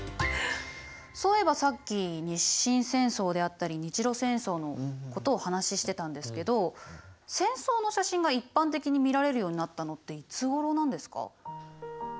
そういえばさっき日清戦争であったり日露戦争のことを話してたんですけど戦争の写真が一般的に見られるようになったのっていつごろなんですか？